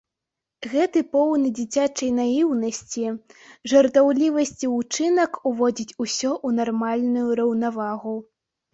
Гэты поўны дзіцячай наіўнасці, жартаўлівасці ўчынак уводзіць усё ў нармальную раўнавагу.